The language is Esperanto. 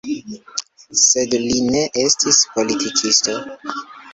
Sed li ne estis politikisto.